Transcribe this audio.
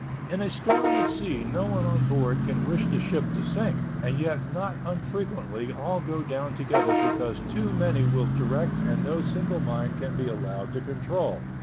In a storm at sea no one on board can wish the ship to sink, and yet not unfrequently all go down together because too many will direct and no single mind can be allowed to control.